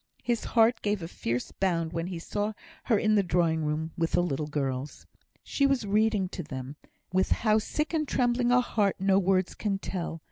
His heart gave a fierce bound when he saw her in the drawing room with the little girls. She was reading to them with how sick and trembling a heart, no words can tell.